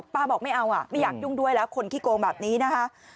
บอกไม่เอาอ่ะไม่อยากยุ่งด้วยแล้วคนขี้โกงแบบนี้นะคะ